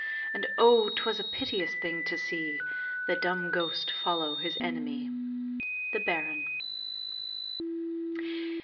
And oh, 'twas a piteous thing to see The dumb ghost follow his enemy! THE BARON.